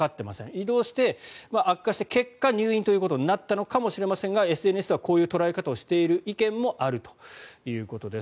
移動して悪化して結果、入院ということになったのかもしれませんがＳＮＳではこういう捉え方をしている意見もあるということです。